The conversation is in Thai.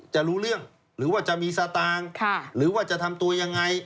จะรู้เรื่องหรือว่าจะมีสตางค์หรือว่าจะทำตัวยังไง